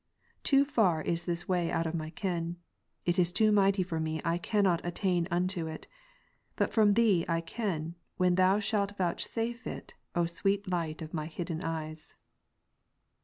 Too far is this way out of my ken : it is too 6. mighty for me, I cannot attain unto it ; but from Thee I can, when Thou shalt vouchsafe it, O sweet Light of my hidden eyes.